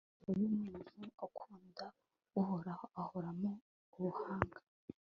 amagambo y'umuntu ukunda uhoraho ahoramo ubuhanga